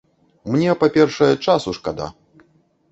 Мне, па-першае, часу шкада.